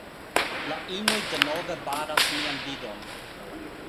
La inoj denove baras mian vidon